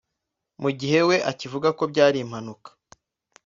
mu gihe we akivuga ko byari 'impanuka'